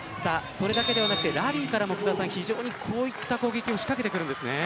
それだけではなくてラリーからもこういった攻撃を仕掛けてくるんですね。